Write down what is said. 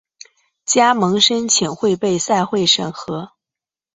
加盟申请会被赛会审核。